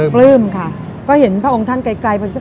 ปลื้มค่ะก็เห็นพระองค์ท่านไกล